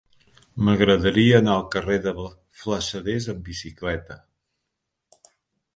M'agradaria anar al carrer de Flassaders amb bicicleta.